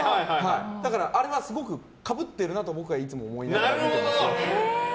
だから、あれがすごくかぶってるなと僕はいつも思ってて。